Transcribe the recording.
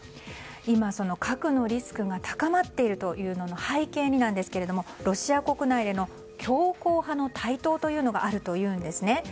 今、核のリスクが高まっているということの背景にロシア国内での強硬派の台頭というのがあるというんですね。